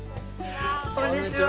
こんにちは。